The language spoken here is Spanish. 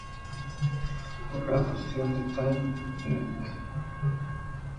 Una fusión de Time Inc.